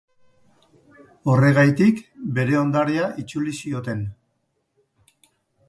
Horregatik, bere ondarea itzuli zioten.